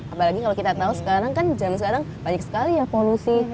apalagi kalau kita tahu sekarang kan zaman sekarang banyak sekali ya polusi